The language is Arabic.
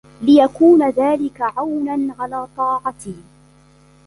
لِيَكُونَ ذَلِكَ عَوْنًا عَلَى طَاعَتِهِ